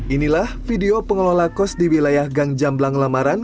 inilah video pengelola kos di wilayah gang jamblang lamaran